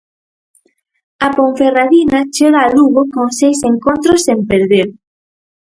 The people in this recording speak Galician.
A Ponferradina chega a Lugo con seis encontros sen perder.